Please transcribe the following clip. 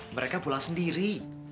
mereka pulang sendiri